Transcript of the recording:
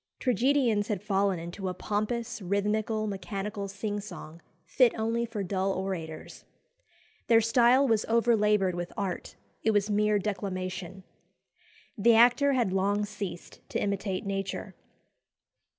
Tragedians had fallen into a pompous "rhythmical, mechanical sing song," fit only for dull orators. Their style was overlaboured with art it was mere declamation. The actor had long ceased to imitate nature.